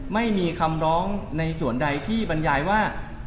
ไม่มีคำร้องในส่วนใดที่บรรยายว่า